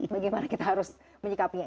bagaimana kita harus menyikapinya